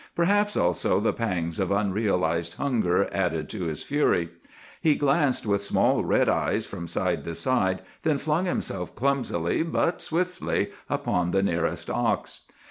Perhaps also the pangs of unrealized hunger added to his fury. He glanced with small red eyes from side to side, then flung himself clumsily but swiftly upon the nearest ox.